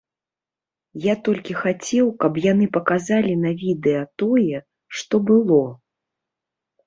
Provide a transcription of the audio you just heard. Я толькі хацеў, каб яны паказалі на відэа тое, што было.